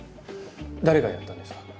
誰がやったんですか？